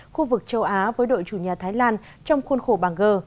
khu vực châu á với đội chủ nhà thái lan trong khuôn khổ bảng g